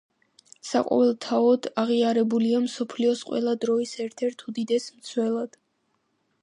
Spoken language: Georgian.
საყოველთაოდ აღიარებულია მსოფლიოს ყველა დროის ერთ-ერთ უდიდეს მცველად.